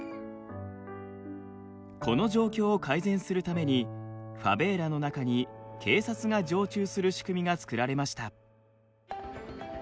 この状況を改善するためにファベーラの中に警察が常駐する仕組みが作られました。